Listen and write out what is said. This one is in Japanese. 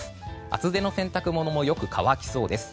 厚手の洗濯物もよく乾きそうです。